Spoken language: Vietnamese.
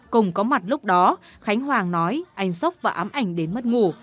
cùng có mặt lúc đó khánh hoàng nói anh sốc và ám ảnh đến mất ngủ